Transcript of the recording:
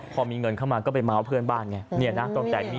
พอมีเงินเข้ามาก็ไปเมาส์เพื่อนบ้านไง